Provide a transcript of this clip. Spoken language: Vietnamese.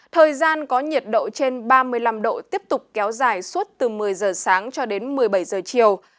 thời gian có nhiệt độ trên ba mươi năm độ tiếp tục kéo dài suốt từ một mươi giờ sáng cho đến một mươi bảy giờ chiều